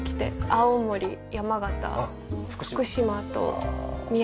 青森山形福島と宮城と。